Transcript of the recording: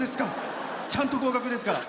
ちゃんと合格ですから。